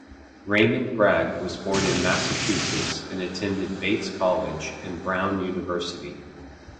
Raymond Bragg was born in Massachusetts and attended Bates College and Brown University.